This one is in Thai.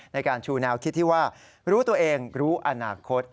ในการชูแนวคิดที่ว่ารู้ตัวเองรู้อนาคต